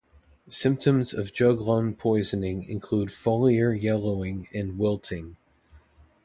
Symptoms of juglone poisoning include foliar yellowing and wilting.